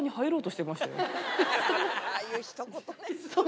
ああいうひと言ね。